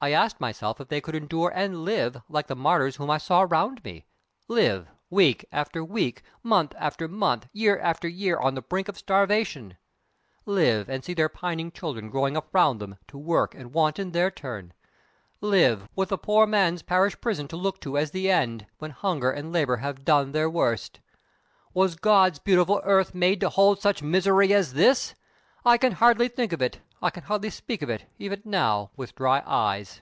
I asked myself if they could endure, and live, like the martyrs whom I saw round me? live, week after week, month after month, year after year, on the brink of starvation; live, and see their pining children growing up round them, to work and want in their turn; live, with the poor man's parish prison to look to as the end, when hunger and labor have done their worst! Was God's beautiful earth made to hold such misery as this? I can hardly think of it, I can hardly speak of it, even now, with dry eyes!"